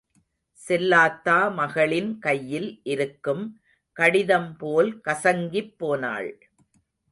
செல்லாத்தா மகளின் கையில் இருக்கும் கடிதம்போல் கசங்கிப் போனாள்.